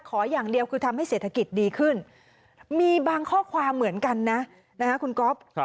ขออย่างเดียวคือทำให้เศรษฐกิจดีขึ้นมีบางข้อความเหมือนกันนะคุณก๊อฟ